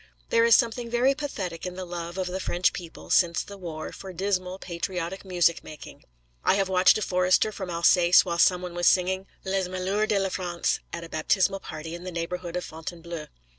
There is something very pathetic in the love of the French people, since the war, for dismal patriotic music making. I have watched a forester from Alsace while some one was singing 'Les malheurs de la France,' at a baptismal party in the neighbourhood of Fontainebleau.